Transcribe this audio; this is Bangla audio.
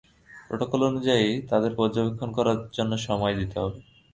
প্রোটোকল অনুযায়ী, তাদের পর্যবেক্ষণ করার জন্য সময় দিতে হবে।